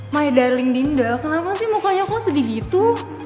my darling dingdol kenapa sih mukanya kok sedih gitu